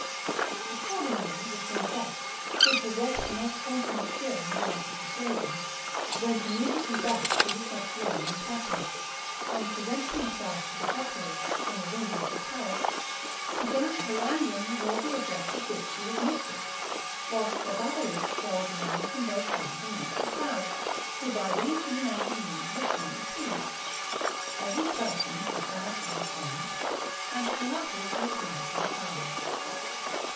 Accordingly the princess, who possessed the most consummate skill in the art of persuasion, went immediately back through the subterranean passage; and presenting herself to the populace, from a window of the palace, began to harangue them with all the address of which she was mistress, whilst Bababalouk showered money from both hands amongst the crowd, who by these united means were soon appeased; every person retired to his home, and Carathis returned to the tower.